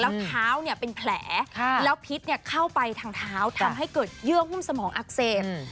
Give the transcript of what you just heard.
แล้วเท้าเนี่ยเป็นแผลแล้วพิษเข้าไปทางเท้าทำให้เกิดเยื่อหุ้มสมองอักเสบ